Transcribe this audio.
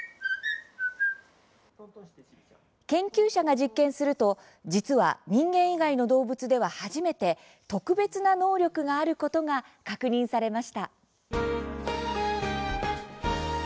研究者が実験すると実は、人間以外の動物では初めて特別な能力があることが確認されました。